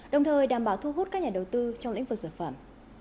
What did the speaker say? đồng thời đảm bảo thu hút các nhà đầu tư trong lĩnh vực dược phẩm